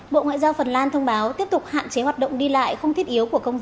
bộ ngoại giao phần lan thông báo tiếp tục hạn chế hoạt động đi lại không thiết yếu của công dân